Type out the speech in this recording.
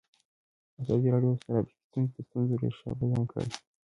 ازادي راډیو د ټرافیکي ستونزې د ستونزو رېښه بیان کړې.